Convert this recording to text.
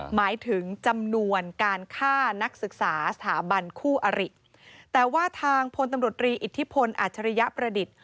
หมายถึงจำนวนการฆ่านักศึกษาสถาบันคู่อริแต่ว่าทางพลตำรวจรีอิทธิพลอัจฉริยประดิษฐ์